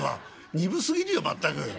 鈍すぎるよ全く」。